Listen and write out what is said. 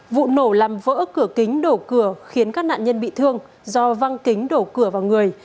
vụ nổ làm vỡ cửa kính đổ cửa khiến các nạn nhân bị thương do văng kính đổ cửa vào người